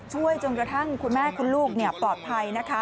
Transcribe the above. ช่วยจนกระทั่งคุณแม่คุณลูกปลอดภัยนะคะ